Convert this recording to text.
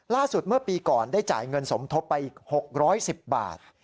ล่าสุดเมื่อปีก่อนได้จ่ายเงินสมทบไปอีก๖๑๐บาท